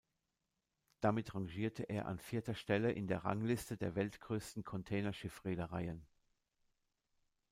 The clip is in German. Damit rangierte er an vierter Stelle in der Rangliste der weltgrößten Containerschiff-Reedereien.